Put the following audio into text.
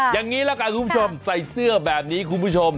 อย่างนี้ละกันคุณผู้ชมใส่เสื้อแบบนี้คุณผู้ชม